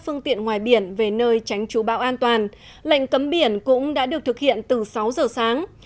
phương tiện ngoài biển về nơi tránh trú bão an toàn lệnh cấm biển cũng đã được thực hiện từ sáu giờ sáng